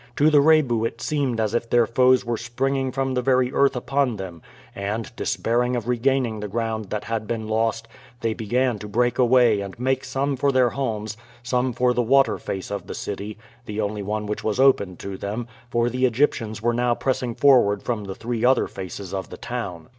To the Rebu it seemed as if their foes were springing from the very earth upon them, and, despairing of regaining the ground that had been lost, they began to break away and make some for their homes, some for the water face of the city the only one which was open to them, for the Egyptians were now pressing forward from the three other faces of the town.